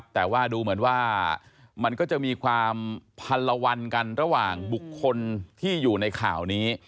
แต่ว่าดูเหมือนว่ามันก็จะมีความพันละวันกันระหว่างบุคคลที่อยู่ในข่าวนี้